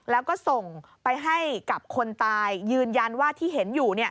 แล้วก็ส่งไปให้กับคนตายยืนยันว่าที่เห็นอยู่